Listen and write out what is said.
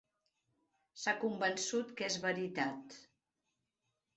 S'ha convençut que és veritat.